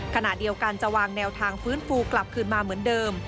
ขณะเดียวกันจะวางแนวทางฟื้นฟูกลับคืนมาเหมือนเดิม